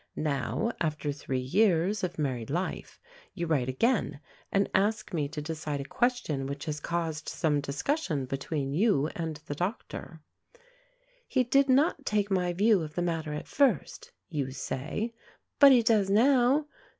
Now, after three years of married life, you write again and ask me to decide a question which has caused some discussion between you and the doctor. "He did not take my view of the matter at first," you say, "but he does now.